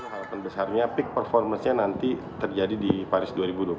harapan besarnya peak performance nya nanti terjadi di paris dua ribu dua puluh empat